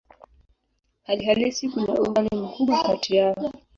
Hali halisi kuna umbali mkubwa kati yao.